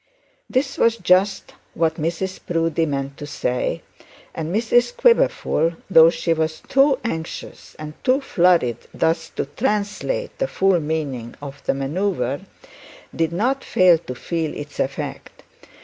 This was just what Mrs Proudie meant to say; and Mrs Quiverful, though she was too anxious and too flurried thus to translate the full meaning of the manoeuvre, did not fail to feel its effect.